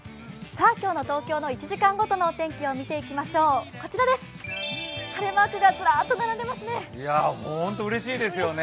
今日の東京の１時間ごとのお天気を見ていきましょう、晴れマークがずらっと並んでますね。